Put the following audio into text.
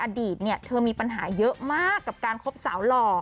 ว่าในอดีตเธอมีปัญหาเยอะมากกับการคบสาวหล่อ